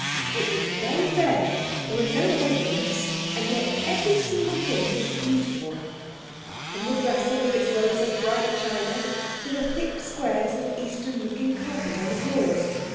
It was very bare, there were no ornaments, and yet every single thing was beautiful, from the dresser with its rows of bright china, to the thick squares of Eastern looking carpet on the floors.